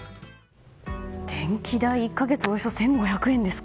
電気代１か月およそ１５００円ですか。